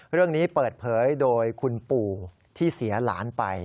เรื่องนี้เปิดเผยโดยคุณปู่ที่เสียหลานไป